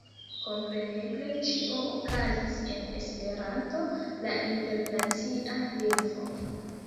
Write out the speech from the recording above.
Kompreneble ĉio okazis en Esperanto, la internacia lingvo.